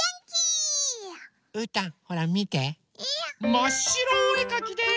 まっしろおえかきです！